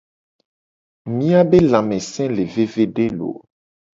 Miabe lamese le vevede looo!